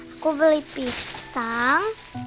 aku beli pisang